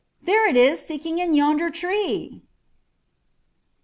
There it is, sticking in yonder tree."